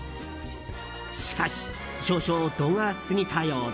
しかし少々、度が過ぎたようで。